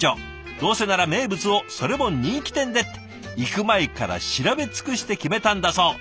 「どうせなら名物をそれも人気店で！」って行く前から調べ尽くして決めたんだそう。